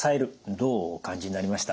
どうお感じになりました？